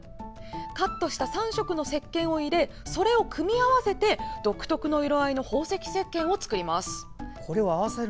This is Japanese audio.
カットした３色のせっけんを入れそれを組み合わせて独特の色合いの宝石せっけんを作ります。